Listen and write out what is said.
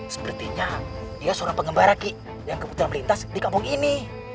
sepertinya dia seorang pengembara ki yang kebetulan melintas di kampung ini